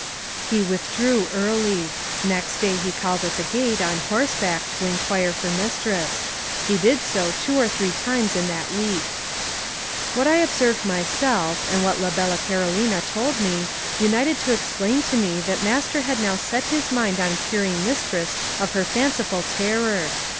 He withdrew early. Next day he called at the gate, on horseback, to inquire for mistress. He did so two or three times in that week. What I observed myself, and what la bella Carolina told me, united to explain to me that master had now set his mind on curing mistress of her fanciful terror.